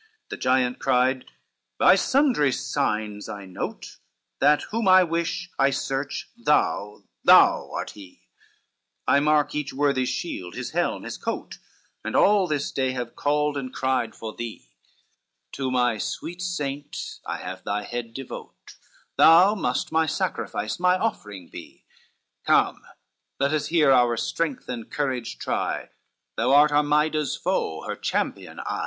CII The giant cried, "By sundry signs I note That whom I wish, I search, thou, thou art he, I marked each worthy's shield, his helm, his coat, And all this day have called and cried for thee, To my sweet saint I have thy head devote, Thou must my sacrifice, my offering be, Come let us here our strength and courage try, Thou art Armida's foe, her champion I."